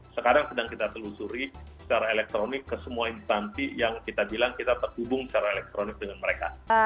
sekarang sedang kita telusuri secara elektronik ke semua instansi yang kita bilang kita terhubung secara elektronik dengan mereka